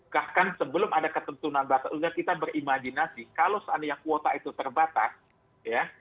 bahkan sebelum ada ketentuan kita berimajinasi kalau seandainya kuota itu terbatas